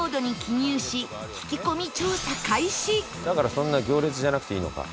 だからそんな行列じゃなくていいのか。